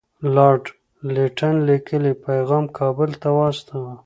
لارډ لیټن لیکلی پیغام کابل ته واستاوه.